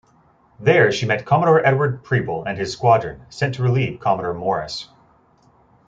There, she met Commodore Edward Preble and his squadron, sent to relieve Commodore Morris.